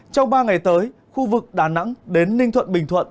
trong ba ngày tới khu vực đà nẵng đến ninh thuận bình thuận